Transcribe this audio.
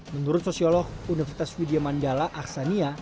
menurut sosiolog universitas widya mandala aksania